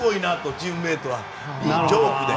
チームメートはジョークで。